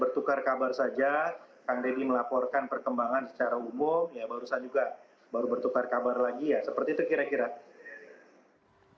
bertukar kabar saja kang deddy melaporkan perkembangan secara umum ya barusan juga baru bertukar kabar lagi ya seperti itu kira kira